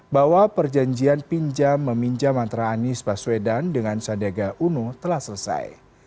bahwa perjanjian pinjam meminjam antara anies baswedan dengan sandiaga uno telah selesai